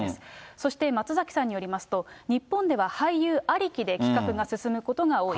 そして松崎さんによりますと、日本では俳優ありきで企画が進むことが多い。